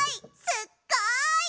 すっごい！